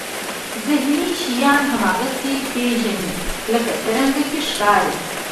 ذهن شیان هماغسې پېژني لکه څرنګه چې ښکاري.